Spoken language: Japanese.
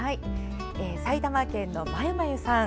埼玉県入間市のまゆまゆさん。